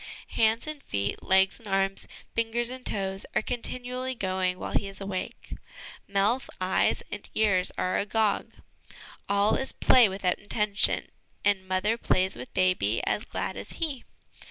Hands and feet, legs and arms, fingers and toes, are continually going while he is awake ; mouth, eyes and ears are agog. All is play without intention, and mother plays with baby as glad as he.